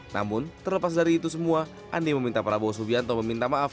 namun terlepas dari itu semua andi meminta prabowo subianto meminta maaf